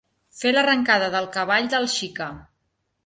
Fer l'arrencada del cavall del Xica.